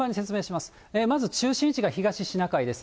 まず、中心位置が東シナ海です。